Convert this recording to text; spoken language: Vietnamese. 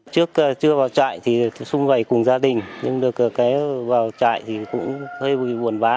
trước chưa vào trại thì sung vầy cùng gia đình nhưng được vào trại thì cũng hơi buồn vã